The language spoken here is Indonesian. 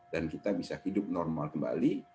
dan kita bisa hidup normal kembali